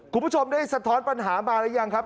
คุณผู้ชมได้สะท้อนปัญหามาหรือยังครับ